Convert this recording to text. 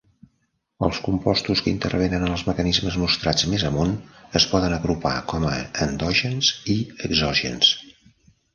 Els compostos que intervenen en els mecanismes mostrats més amunt es poden agrupar com a endògens i exògens.